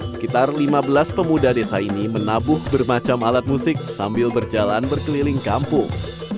sekitar lima belas pemuda desa ini menabuh bermacam alat musik sambil berjalan berkeliling kampung